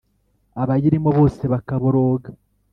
abayirimo bose bakaboroga?